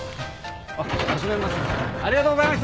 あっ閉めます。